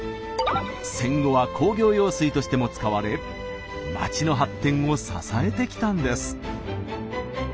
戦後は工業用水としても使われ街の発展を支えてきたんです。